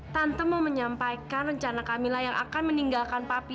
tante mau menyampaikan rencana kamilah yang akan meninggalkan papi